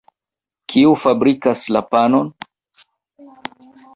Kiu fabrikas la panon?